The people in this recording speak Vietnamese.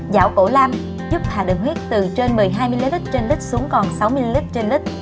giảo cổ lam giúp hạ đường huyết từ trên một mươi hai ml trên lít xuống còn sáu ml trên lít